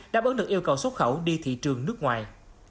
đã bớt được yêu cầu xuất khẩu đi thị trường nước ngoài